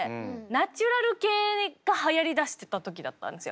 ナチュラル系がはやりだしてた時だったんですよ。